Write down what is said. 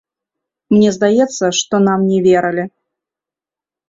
Мне здаецца, што нам не верылі.